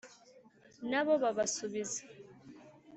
nabo babasubiza